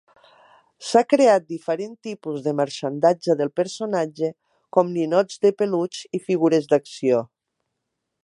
S'ha creat diferent tipus de marxandatge del personatge com ninots de peluix i figures d'acció.